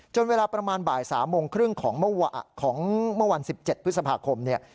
เวลาประมาณบ่าย๓โมงครึ่งของเมื่อวัน๑๗พฤษภาคมเนี่ย